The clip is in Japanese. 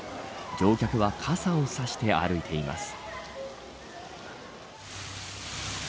乗客は傘を差して歩いています。